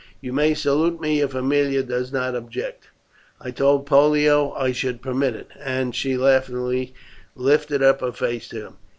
You may salute me if Aemilia does not object I told Pollio I should permit it;" and she laughingly lifted up her face to him.